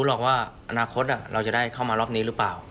หรอกว่าอนาคตเราจะได้เข้ามารอบนี้หรือเปล่า